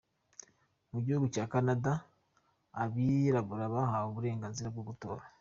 Mu gihugu cya Canada, abirabura bahawe uburenganzira bwo gutora.